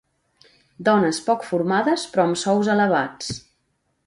Dones poc formades però amb sous elevats.